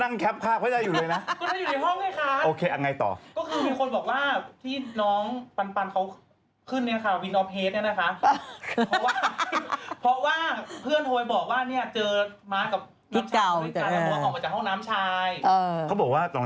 น้องนอนอยู่บ้านส่วนหมดแล้วบ้าง